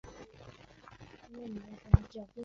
异鼷鹿科是一科已灭绝的偶蹄目。